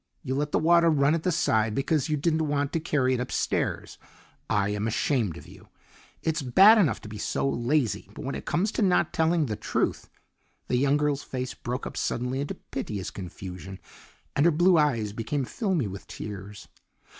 You let the water run at the side because you didn't want to carry it upstairs. I am ashamed of you. It's bad enough to be so lazy, but when it comes to not telling the truth " The young girl's face broke up suddenly into piteous confusion, and her blue eyes became filmy with tears.